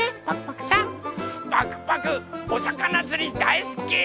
パクパクおさかなつりだいすき！